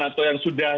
atau yang sudah